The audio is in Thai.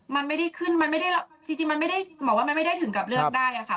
มันไม่ได้ขึ้นจริงหมอว่ามันไม่ได้ถึงกับเลือกได้ค่ะ